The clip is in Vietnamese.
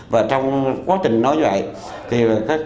và trong quá trình nói như vậy thì